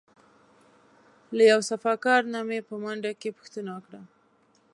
له یو صفاکار نه مې په منډه کې پوښتنه وکړه.